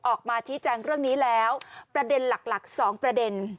ออกมาชี้แจงเรื่องนี้แล้วประเด็นหลัก๒ประเด็น